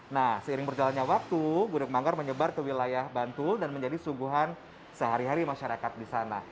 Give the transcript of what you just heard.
nah seiring berjalannya waktu gudeg manggar menyebar ke wilayah bantul dan menjadi sungguhan sehari hari masyarakat di sana